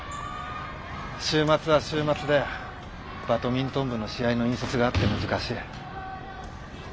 週末は週末でバドミントン部の試合の引率があって難しい。